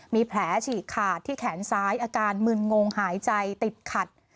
มีแผลฉีกขาดที่แขนซ้ายอาการมึนงงหายใจติดขัด